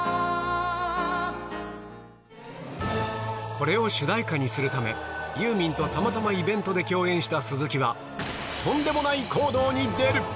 これを主題歌にするため、ユーミンとたまたまイベントで共演した鈴木は、とんでもない行動に出る。